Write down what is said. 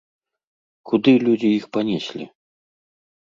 Куды людзі іх панеслі?